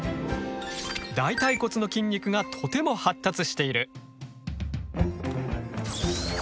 大腿骨の筋肉がとても発達している。